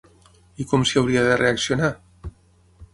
I com s’hi hauria de reaccionar?